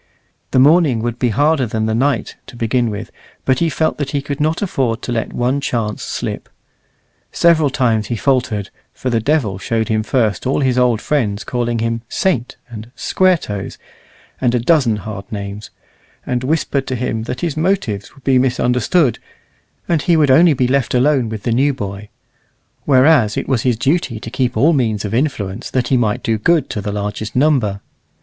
The morning would be harder than the night to begin with, but he felt that he could not afford to let one chance slip. Several times he faltered, for the devil showed him first all his old friends calling him "Saint" and "Square toes," and a dozen hard names, and whispered to him that his motives would be misunderstood, and he would only be left alone with the new boy; whereas it was his duty to keep all means of influence, that he might do good to the largest number.